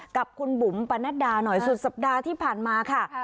กับคุณบุ๋มปะนัดดาหน่อยสุดสัปดาห์ที่ผ่านมาค่ะ